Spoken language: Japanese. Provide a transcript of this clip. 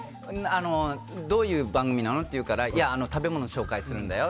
どういう番組なの？って言うから食べ物紹介するんだよ。